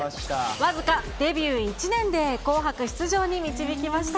僅かデビュー１年で紅白出場に導きました。